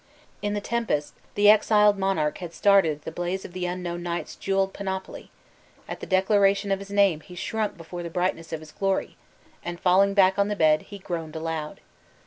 In the tempest, the exiled monarch had started at the blaze of the unknown knight's jeweled panoply; at the declaration of his name he shrunk before the brightness of his glory! and, falling back on the bed, he groaned aloud.